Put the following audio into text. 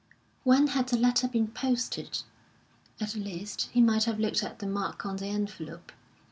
When had the letter been posted? At least, he might have looked at the mark on the envelope.